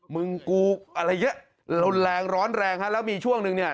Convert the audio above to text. มึงกูอะไรเยอะรุนแรงร้อนแรงฮะแล้วมีช่วงนึงเนี่ย